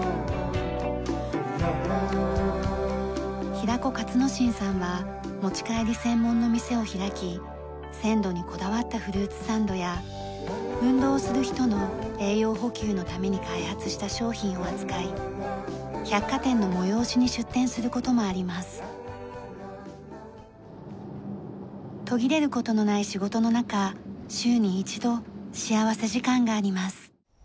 平子勝之進さんは持ち帰り専門の店を開き鮮度にこだわったフルーツサンドや運動をする人の栄養補給のために開発した商品を扱い百貨店の催しに出店する事もあります。途切れる事のない仕事の中週に一度幸福時間があります。